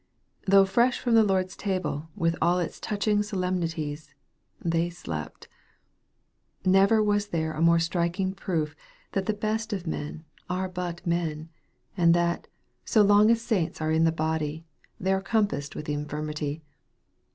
Though fresh from the Lord's table, with all its touching solemnities, they slept. Never was there a more striking proof that the best of men are but men. 320 EXPOSITORY THOUGHTS. and that, so long as saints are in the body, they are compassed with infirmity.